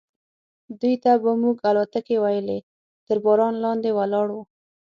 دوی ته به موږ الوتکې ویلې، تر باران لاندې ولاړ و.